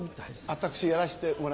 私やらせてもらいます。